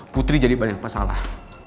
putri jadi banyak masalah